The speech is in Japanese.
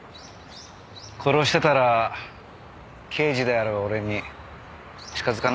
殺してたら刑事である俺に近づかないもんね。